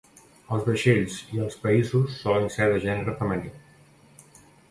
Els vaixells i els països solen ser de gènere femení.